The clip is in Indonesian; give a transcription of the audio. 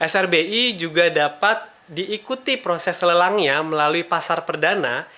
srbi juga dapat diikuti proses lelangnya melalui pasar perdana